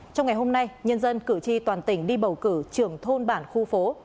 trong ngày hôm nay nhân dân cử tri toàn tỉnh đi bầu cử trưởng thôn bản khu phố